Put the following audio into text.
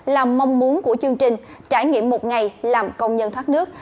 là mong muốn của chương trình trải nghiệm một ngày làm công nhân thoát nước